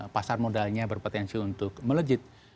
pasar modalnya berpotensi untuk melejit